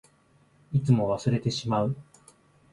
いつも忘れてしまう。